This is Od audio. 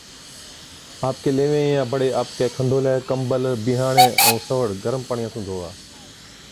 آپڪين ليوين يان بڙي آپڪَي کنڌولَي، ڪمبل، بِيهاڻَي ائُون سَوڙ گرم پاڻِيان سُون ڌووا۔